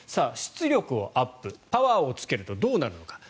出力をアップパワーつけるとどうなるのか。